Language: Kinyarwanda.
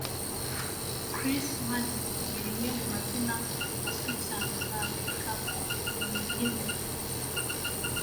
Chris Madden ni rimwe mu mazina azwi cyane muri Amerika imbere yimbere.